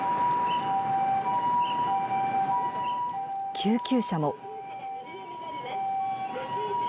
救急車も。